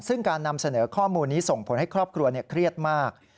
ซึ่งการนำเสนอข้อมูลนี้ส่งผลให้ครอบครัวเครียดมาก